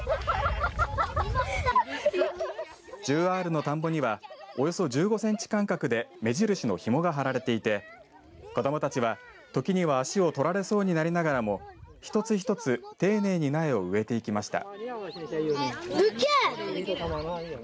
１０アールの田んぼにはおよそ１５センチ間隔で目印のひもが張られていて子どもたちはときには足を取られそうになりながらも一つ一つ丁寧に苗を植えていきました。